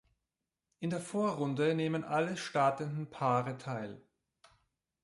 In der Vorrunde nehmen alle startenden Paare teil.